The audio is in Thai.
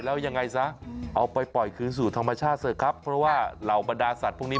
แล้วยังไงซะเอาไปปล่อยคืนสู่ธรรมชาติเถอะครับเพราะว่าเหล่าบรรดาสัตว์พวกนี้